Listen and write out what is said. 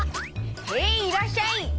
へいいらっしゃい！